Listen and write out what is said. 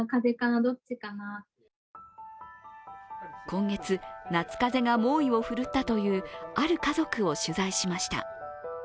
今月、夏風邪が猛威を振るったというある家族を取材しました。